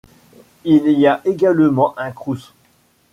Il y a également un Crous.